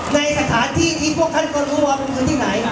ในสถานที่ที่พวกท่านก็รู้ว่ามันคือที่ไหน